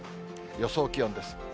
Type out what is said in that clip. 予想気温です。